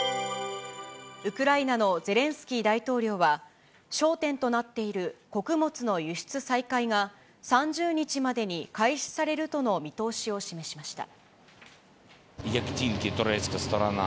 ウクライナのゼレンスキー大統領は、焦点となっている穀物の輸出再開が３０日までに開始されるとの見通しを示しました。